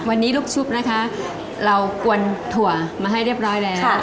วันนี้ลูกชุบนะคะเรากวนถั่วมาให้เรียบร้อยแล้ว